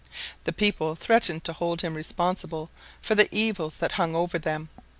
The people threatened to hold him responsible for the evils that hung over them.